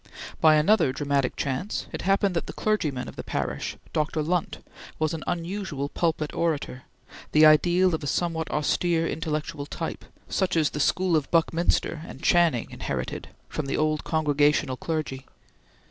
By another dramatic chance it happened that the clergyman of the parish, Dr. Lunt, was an unusual pulpit orator, the ideal of a somewhat austere intellectual type, such as the school of Buckminster and Channing inherited from the old Congregational clergy.